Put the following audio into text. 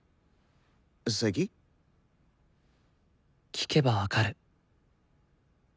聴けば分かる。